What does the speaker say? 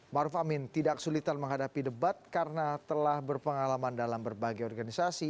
maruf amin tidak kesulitan menghadapi debat karena telah berpengalaman dalam berbagai organisasi